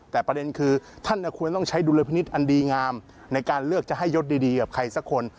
แต่ประเด็นคือท่านควรต้องใช้ดุลพินิษฐ์อันดีงามในการเลือกจะให้ยศดีกับใครสักคน